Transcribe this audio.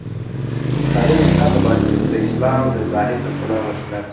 مطالعه د انسان د باطن د اصلاح او د ظاهر د ښکلا وسیله ده.